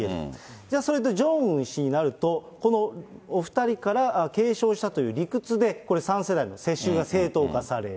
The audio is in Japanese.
じゃあそれとジョンウン氏になると、このお２人から継承したという理屈で、それ、３世代の世襲が正当化される。